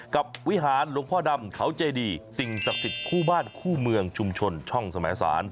วิหารหลวงพ่อดำเขาเจดีสิ่งศักดิ์สิทธิ์คู่บ้านคู่เมืองชุมชนช่องสมสาร